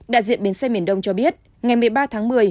đại diện bến xe miền đông cho biết ngày một mươi ba tháng một mươi